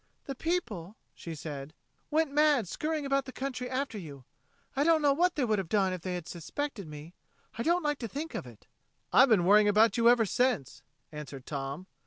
"The people," she said, "went mad scurrying about the country after you. I don't know what they would have done if they had suspected me. I don't like to think of it." "I've been worrying about you ever since," answered Tom.